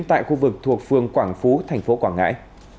tại khu vực thuộc phường quảng phú tp quảng ngãi